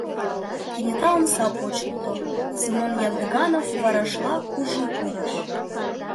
Кенета омса почылто, Семон Яндыганов варашла куржын пурыш.